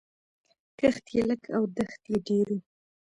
کښت یې لږ او دښت یې ډېر و